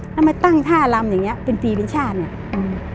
แล้วมาตั้งท่ารำอย่างเงี้เป็นปีเป็นชาติเนี้ยอืม